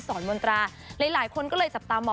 มนตราหลายคนก็เลยจับตามอง